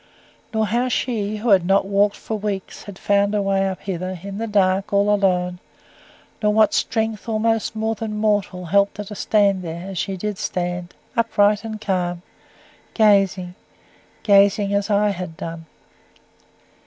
Nor how she, who had not walked for weeks, had found her way up hither, in the dark, all alone. Nor what strength, almost more than mortal, helped her to stand there, as she did stand, upright and calm gazing gazing as I had done.